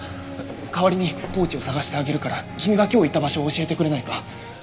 代わりにポーチを捜してあげるから君が今日行った場所を教えてくれないか？